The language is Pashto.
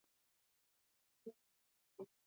ټکنالوژي د ګټو تر څنګ ستونزي هم ایجاد کړيدي.